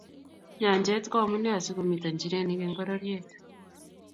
Nyanjet ko amune asikomito nchirenik eng' bororiet.